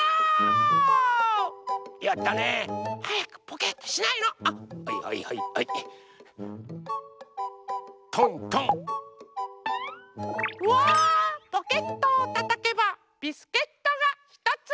ポケットをたたけばビスケットがひとつ！